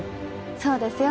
そうですよ